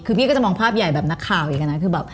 คือพี่ก็จะมองภาพใหญ่แบบนักข่าวอีกนะคือแบบ